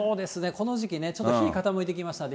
この時期ね、ちょっと日傾いてきましたので。